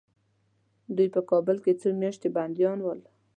دوی په کابل کې څو میاشتې بندیان ول.